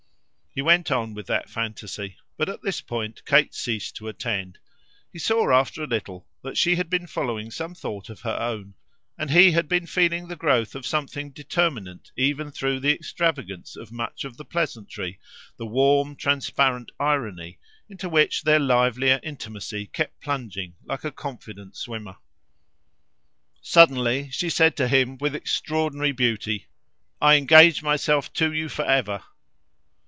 He went on with that fantasy, but at this point Kate ceased to attend. He saw after a little that she had been following some thought of her own, and he had been feeling the growth of something determinant even through the extravagance of much of the pleasantry, the warm transparent irony, into which their livelier intimacy kept plunging like a confident swimmer. Suddenly she said to him with extraordinary beauty: "I engage myself to you for ever."